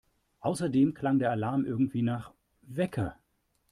Außerdem klang der Alarm irgendwie nach … Wecker!